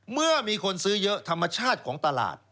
เมื่อมีคนซื้อเยอะธรรมชาติของตลาด